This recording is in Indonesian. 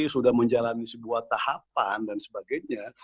sudah menjalani sebuah tahapan dan sebagainya